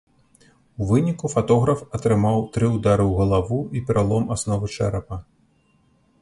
У выніку фатограф атрымаў тры ўдары ў галаву і пералом асновы чэрапа.